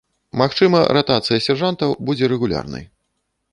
Магчыма, ратацыя сяржантаў будзе рэгулярнай.